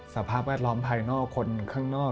สภาพอัตรร้องภายนอกคนข้างนอก